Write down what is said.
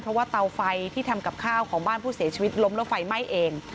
เพราะว่าเตาไฟที่ทำกับข้าวของบ้านผู้เสียชีวิตล้มแล้วไฟไหม้เอง